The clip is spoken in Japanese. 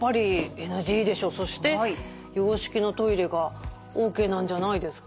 そして洋式のトイレがＯＫなんじゃないですか？